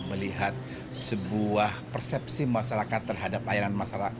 melihat sebuah persepsi masyarakat terhadap layanan masyarakat